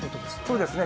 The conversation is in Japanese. そうですね。